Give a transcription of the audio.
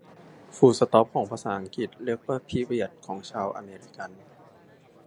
ฟูลสตอปของภาษาอังกฤษเรียกว่าพิเรียดของชาวอเมริกัน